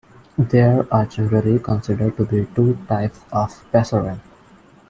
There are generally considered to be two types of "pesharim".